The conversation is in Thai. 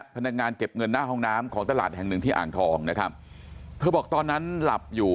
พนักงานเก็บเงินหน้าห้องน้ำของตลาดแห่งหนึ่งที่อ่างทองนะครับเธอบอกตอนนั้นหลับอยู่